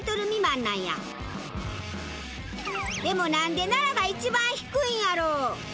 でもなんで奈良が一番低いんやろう？